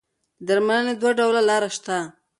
د درملنې دوه ډوله لاره شته.